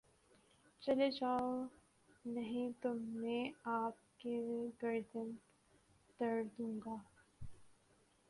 چلے جاؤ نہیں تو میں آپ کی گردن تڑ دوں گا